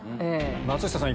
松下さん